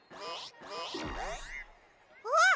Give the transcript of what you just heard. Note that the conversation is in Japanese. あっ！